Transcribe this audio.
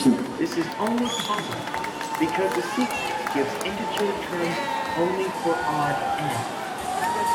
This is only possible because the sequence gives integer terms "only for odd n".